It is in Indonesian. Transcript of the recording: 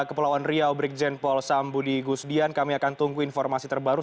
kepulauan riau brikjen polsambu di gusdian kami akan tunggu informasi terbaru